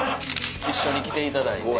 一緒に来ていただいて。